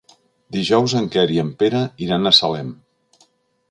Dijous en Quer i en Pere iran a Salem.